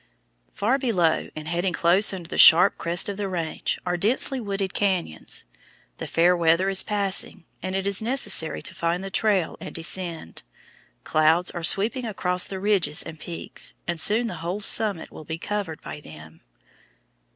Far below, and heading close under the sharp crest of the range, are densely wooded cañons. The fair weather is passing, and it is necessary to find the trail and descend. Clouds are sweeping across the ridges and peaks, and soon the whole summit will be covered by them.